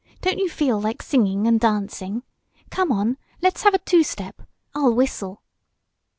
Don't you feel like singing and dancing? Come on, let's have a two step! I'll whistle!"